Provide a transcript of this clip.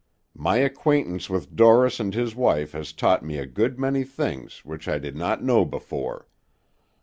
My acquaintance with Dorris and his wife has taught me a good many things which I did not know before.